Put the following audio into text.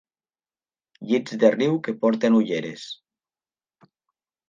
Llits de riu que porten ulleres.